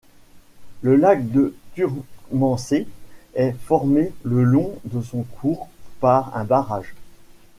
Le lac de Turtmannsee est formé le long de son cours par un barrage.